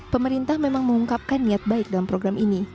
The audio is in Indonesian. pemerintah memang mengungkapkan niat baik dalam program ini